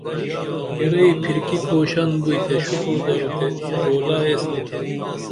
بُرعی پھرکی کھوشن بوئی تے شُکر درو تے ژولہ ایس نی تھا